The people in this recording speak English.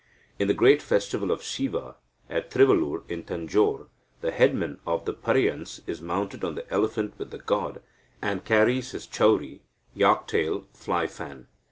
In the great festival of Siva at Trivalur in Tanjore, the headman of the Pareyans is mounted on the elephant with the god, and carries his chauri (yak tail fly fan).